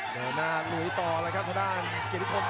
เดินหน้าหนุนต่อละครับทางด้านเกณฑิคม